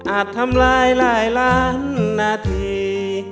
ทำลายหลายล้านนาที